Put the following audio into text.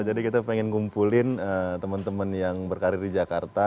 jadi kita pengen kumpulin temen temen yang berkarir di jakarta